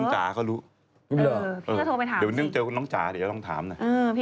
หรือจะเป็นเอาละ